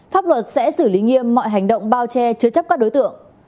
pháp luật sẽ xử lý nghiêm mọi hành động bao che chứa chấp các đối tượng